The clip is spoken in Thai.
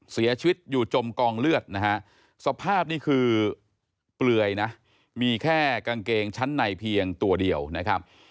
เสียชีวิตอยู่จมกองเลือดนะฮะสภาพนี่คือเปลือยนะมีแค่กางเกงชั้นในเพียงตัวเดียวนะครับ